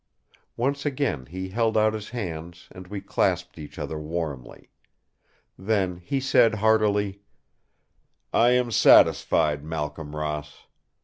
Once again he held out his hands, and we clasped each other warmly. Then he said heartily: "I am satisfied, Malcolm Ross.